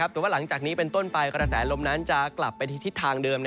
แต่ว่าหลังจากนี้เป็นต้นไปกระแสลมนั้นจะกลับไปที่ทิศทางเดิม